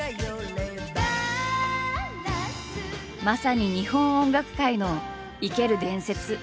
まさに日本音楽界の生ける伝説。